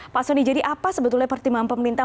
pak soni jadi apa sebetulnya pertimbangan pemerintah